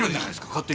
勝手に。